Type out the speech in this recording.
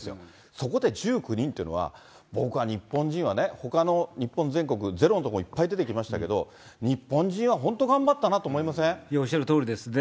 そこで１９人というのは、僕は日本人はね、ほかの日本全国、ゼロの所もいっぱい出てきましたけれども、日本人は本当頑張ったおっしゃるとおりですね。